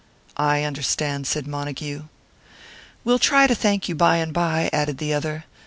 "I understand," said Montague. "We'll try to thank you by and by," added the other.